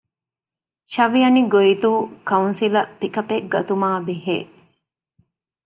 ށ. ގޮއިދޫ ކައުންސިލަށް ޕިކަޕެއް ގަތުމާ ބެހޭ